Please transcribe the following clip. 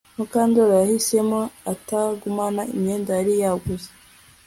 Mukandoli yahisemo kutagumana imyenda yari yaguze